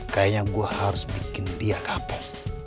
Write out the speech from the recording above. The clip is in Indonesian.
kayanya gue harus bikin dia kaput